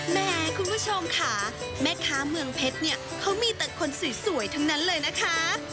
แม้คุณผู้ชมค่ะแม่ค้าเมืองเพชรเนี่ยเขามีแต่คนสวยทั้งนั้นเลยนะคะ